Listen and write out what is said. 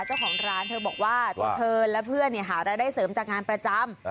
เจ้าของร้านเธอบอกว่าตัวเธอและเพื่อนหารายได้เสริมจากงานประจำ